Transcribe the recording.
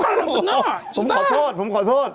อ้าวนี่แม่เด็กผมขอโทษ